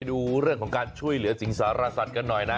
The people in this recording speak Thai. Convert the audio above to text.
ดูเรื่องของการช่วยเหลือสิงสารสัตว์กันหน่อยนะ